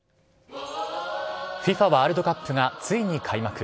ワールドカップがついに開幕。